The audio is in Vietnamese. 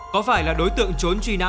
có phải là đối tượng trốn truy nã